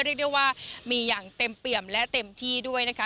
เรียกได้ว่ามีอย่างเต็มเปี่ยมและเต็มที่ด้วยนะคะ